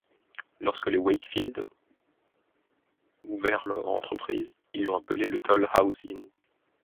Lorsque les Wakefield ouvert leur entreprise, ils l'ont appelé le Toll House Inn.